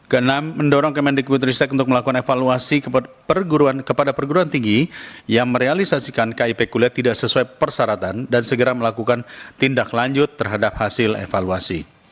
tujuh mendesak kementerian kementerian kementerian tristek ri untuk melakukan evaluasi kepada perguruan tinggi yang merealisasikan kip kuliah tidak sesuai persyaratan dan segera melakukan tindak lanjut terhadap hasil evaluasi